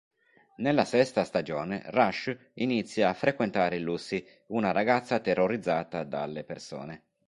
Nella sesta stagione Raj inizia a frequentare Lucy, una ragazza terrorizzata dalle persone.